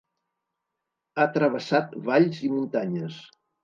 Ha travessat valls i muntanyes.